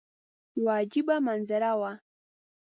یوه عجیبه منظره وه.